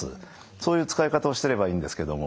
そういう使い方をしてればいいんですけども。